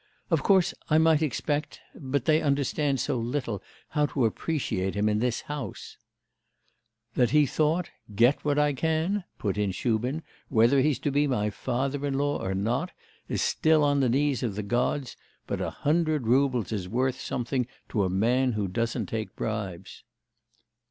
Of course, I might expect but they understand so little how to appreciate him in this house ' 'That he thought: get what I can!' put in Shubin: 'whether he's to be my father in law or not, is still on the knees of the gods, but a hundred roubles is worth something to a man who doesn't take bribes.